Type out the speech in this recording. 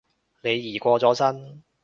李怡過咗身